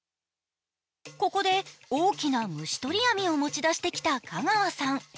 ここで大きな虫取り網を取り出してきた香川さん。